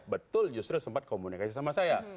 betul justru sempat komunikasi sama saya